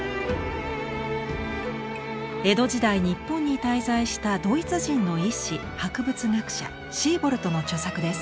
江戸時代日本に滞在したドイツ人の医師博物学者シーボルトの著作です。